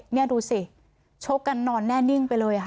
นี่ดูสิชกกันนอนแน่นิ่งไปเลยค่ะ